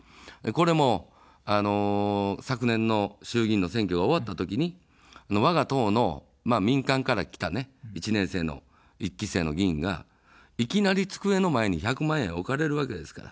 これも、昨年の衆議院の選挙が終わったときに、わが党の民間から来た１年生の１期生の議員がいきなり机の前に１００万円置かれるわけですから。